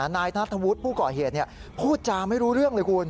นายนัทธวุฒิผู้ก่อเหตุพูดจาไม่รู้เรื่องเลยคุณ